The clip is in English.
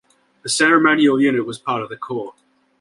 The ceremonial unit was part of the corps.